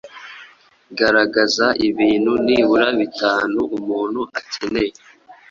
Garagaza ibintu nibura bitanu umuntu akeneye